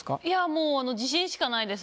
もう自信しかないです。